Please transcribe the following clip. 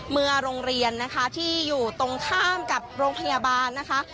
โรงเรียนนะคะที่อยู่ตรงข้ามกับโรงพยาบาลนะคะ